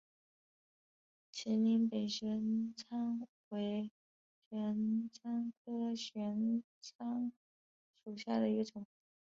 秦岭北玄参为玄参科玄参属下的一个变种。